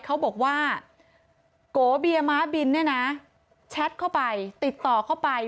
เขาบอกว่าโกเบียม้าบินเนี่ยนะแชทเข้าไปติดต่อเข้าไป